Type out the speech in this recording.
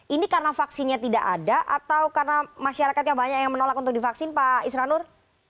ini karena vaksinnya tidak ada atau karena masyarakatnya banyak yang menolak untuk divaksin pak isranur